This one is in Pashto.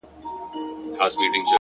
• څنگه دي وستايمه؛